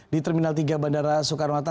di terminal tiga bandara soekarno hatta